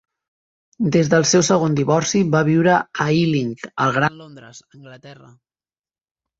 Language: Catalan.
Des del seu segon divorci, va viure a Ealing, al Gran Londres (Anglaterra).